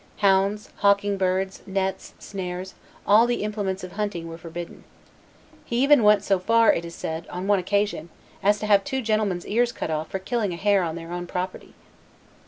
Hounds, hawking birds, nets, snares, all the implements of hunting were forbidden. He even went so far, it is said, on one occasion, as to have two gentlemen's ears cut off for killing a hare on their own property.